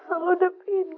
kenapa dia membenci kita